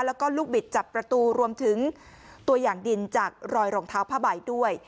แล้วก็ลูกบิดจับประตูรวมถึงตัวอย่างดินจากรอยรองเท้าผ้าใบด้วย